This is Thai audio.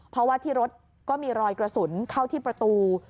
เพราะว่าที่รถก็มีรอยกระสุนเข้าที่ประตู